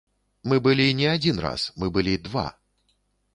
Мы былі не адзін раз, мы былі два.